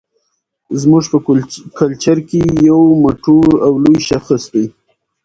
زموږ په کلچر کې يو مټور او لوى شخص دى